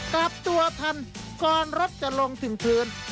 กลับตัวทันก่อนรถจะลงถึงพื้น